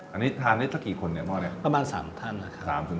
อันนี้ทานได้ตั้งจากเป็นกี่คนพราบประมาณ๓ขั้น